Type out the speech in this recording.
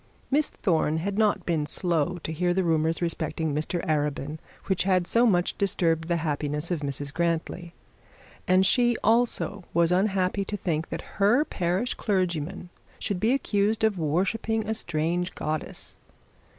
Miss Thorne had not been slow to hear the rumours respecting Mr Arabin, which had so much disturbed the happiness of Mrs Grantly. And she, also, was unhappy to think that her parish clergyman should be accused of worshipping a strange goddess.